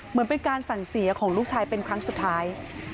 เหมือนเป็นการสั่งเสียของลูกชายเป็นครั้งสุดท้าย